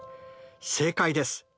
正解です。